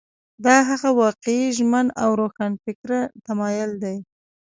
دا هغه واقعي ژمن او روښانفکره تمایل دی.